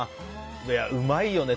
うまいよね